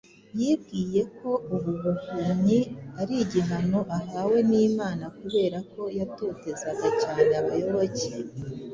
Yibwiye ko ubu buhumyi ari igihano ahawe n’Imana kubera ko yatotezaga cyane abayoboke